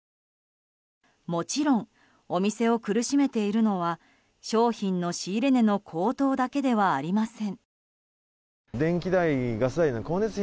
もちろんお店を苦しめているのは商品の仕入れ値の高騰だけではありません。